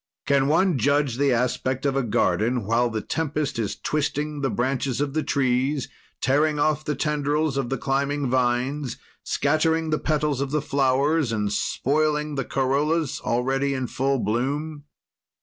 Can one judge of the aspect of a garden while the tempest is twisting the branches of the trees, tearing off the tendrils of the climbing vines, scattering the petals of the flowers and spoiling the corollas already in full bloom?